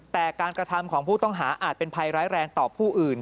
แต่การกระทำของผู้ต้องหาอาจเป็นภัยร้ายแรงต่อผู้อื่น